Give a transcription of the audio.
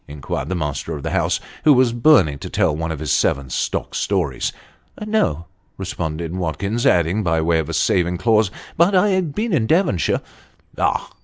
" inquired the master of the house, who was burning to tell one of his seven stock stories. " No," responded Watkins, adding, by way of a saving clause, " but I've been in Devonshire." " Ah